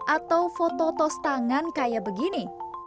atau foto tos tangan kayak begini